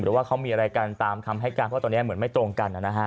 ว่าเขามีอะไรกันตามคำให้การเพราะตอนนี้เหมือนไม่ตรงกันนะฮะ